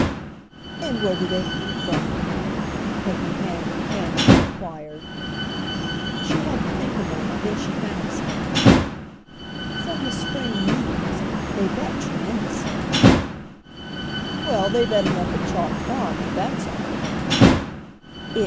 "And where do they come from?" her companion candidly enquired. She had to think a moment; then she found something. "From the 'spring meetings.' They bet tremendously." "Well, they bet enough at Chalk Farm, if that's all."